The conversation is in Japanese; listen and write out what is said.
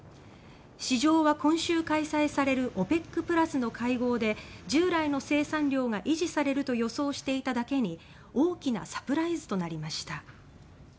市場は今週開催される「ＯＰＥＣプラス」の会合で従来の生産量が維持されると予想していただけに大きなサプライズとなりました。